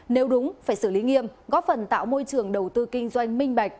nếu đúng phải xử lý nghiêm góp phần tạo môi trường đầu tư kinh doanh minh bạch